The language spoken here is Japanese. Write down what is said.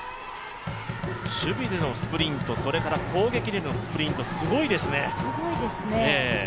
守備でのスプリント、そして攻撃でのスプリント、すごいですね。